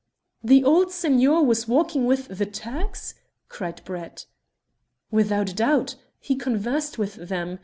"The old signor was walking with the Turks?" cried Brett. "Without doubt. He conversed with them.